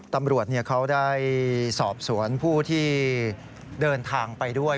ตำรวจเขาได้สอบสวนผู้ที่เดินทางไปด้วย